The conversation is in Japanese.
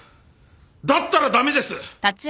だったら駄目です！